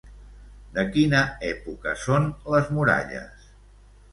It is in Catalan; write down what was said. De quina època són les muralles?